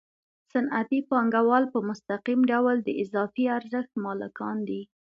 صنعتي پانګوال په مستقیم ډول د اضافي ارزښت مالکان دي